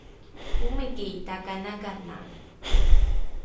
omiki takanakanae